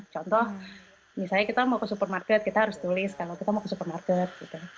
contoh misalnya kita mau ke supermarket kita harus tulis kalau kita mau ke supermarket gitu